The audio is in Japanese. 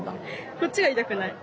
こっちは痛くない。